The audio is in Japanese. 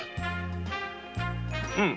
うん。